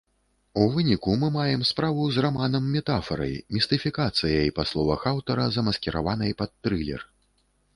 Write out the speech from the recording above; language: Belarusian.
У выніку мы маем справу з раманам-метафарай, містыфікацыяй, па словах аўтара, замаскіраванай пад трылер.